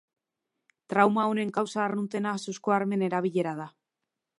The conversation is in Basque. Trauma honen kausa arruntena suzko armen erabilera da.